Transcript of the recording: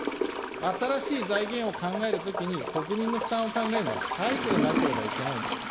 新しい財源を考えるときに、国民の負担を考えるのは最後でなければいけないんです。